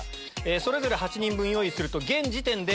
それぞれ用意すると現時点で。